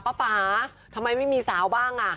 ป่าทำไมไม่มีสาวบ้างอ่ะ